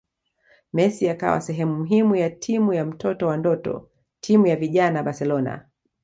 Messi akawa sehemu muhimu ya Timu ya mtoto wa ndoto timu ya vijana Barcelona